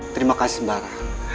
terima kasih sembara